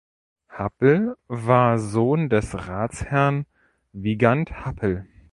Happel war Sohn des Ratsherrn Wigand Happel.